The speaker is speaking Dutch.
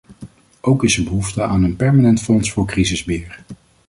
Ook is er behoefte aan een permanent fonds voor crisisbeheer.